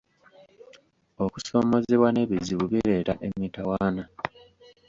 Okusoomozebwa n'ebizibu bireeta emitawaana